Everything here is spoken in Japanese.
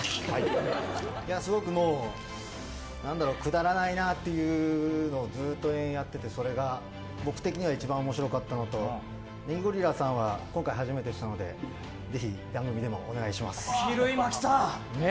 すごく、くだらないのずっとやってて僕的には一番面白かったのとネギゴリラさんは今回初めてでしたのでぜひ、番組でもお願いします。